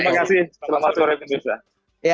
terima kasih selamat sore